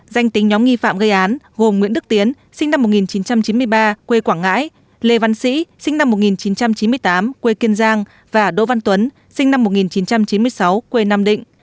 danh tính nhóm nghi phạm gây án gồm nguyễn đức tiến sinh năm một nghìn chín trăm chín mươi ba quê quảng ngãi lê văn sĩ sinh năm một nghìn chín trăm chín mươi tám quê kiên giang và đỗ văn tuấn sinh năm một nghìn chín trăm chín mươi sáu quê nam định